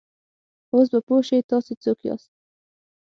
اوس به پوه شې، تاسې څوک یاست؟